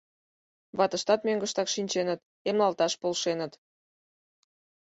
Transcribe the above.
Ватыштат мӧҥгыштак шинченыт, эмлалташ полшеныт.